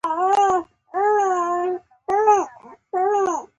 بدرنګه خبره مینه له منځه وړي